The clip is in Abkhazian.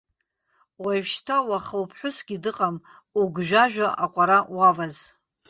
Уажәшьҭа уаха уԥҳәысгьы дыҟам, угәжәажәо аҟәара уаваз.